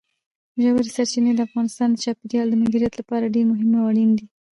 ژورې سرچینې د افغانستان د چاپیریال د مدیریت لپاره ډېر مهم او اړین دي.